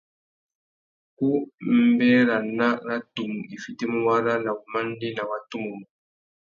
Ku mbérana râ tumu i fitimú wara na wumandēna wa tumu mô.